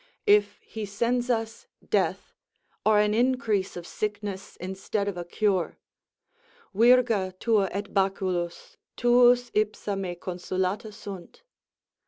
If he sends us death, or an increase of sickness, instead of a cure, _Vvrga tua et baculus, tuus ipsa me consolata sunt.